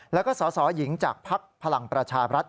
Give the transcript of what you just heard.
แล้วก็สอสอยิงจากพลักษณ์พลังปรชารัฐ